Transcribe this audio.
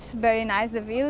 sepertinya ini bagus